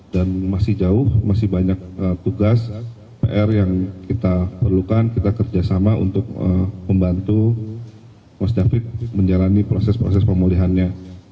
dan masih jauh masih banyak tugas pr yang kita perlukan kita kerjasama untuk membantu mas david menjalani proses proses pemulihannya